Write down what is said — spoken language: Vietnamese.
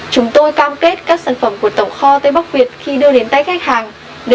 chúng tôi cam kết các sản phẩm của tổng kho tây bắc việt có nguồn gốc xuất xứ rõ ràng